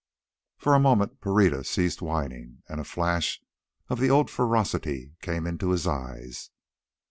For a moment Pereira ceased whining, and a flash of the old ferocity came into his eyes.